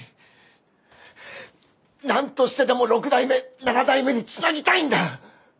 なんとしてでも６代目７代目に繋ぎたいんだ！